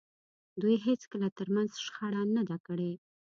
دوی هېڅکله تر منځ شخړه نه ده کړې.